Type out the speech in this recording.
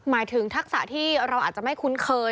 หมายถึงทักษะที่เราอาจจะไม่คุ้นเคย